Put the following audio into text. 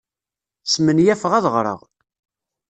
Smenyafeɣ ad ɣreɣ.